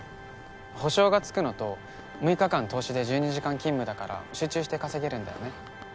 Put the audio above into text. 保証が付くのと６日間通しで１２時間勤務だから集中して稼げるんだよね。